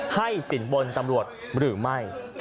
ให้สินบนตำรวจหรือไม่